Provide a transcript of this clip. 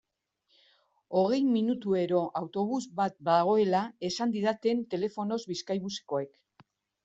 Hogei minutuero autobus bat badagoela esan didaten telefonoz Bizkaibusekoek.